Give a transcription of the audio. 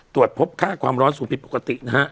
ตรวจพบค่าความร้อนสูงผิดปกตินะฮะ